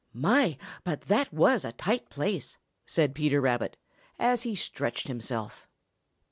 "My! but that was a tight place," said Peter Rabbit, as he stretched himself.